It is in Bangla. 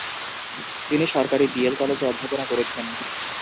তিনি সরকারি বি.এল কলেজে অধ্যাপনা করেছেন।